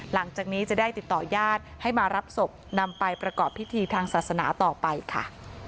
หลังจากนี้จะได้ติดต่อญาติให้มารับศพนำไปประกอบพิธีทางศาสนาต่อไปค่ะ